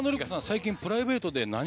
最近。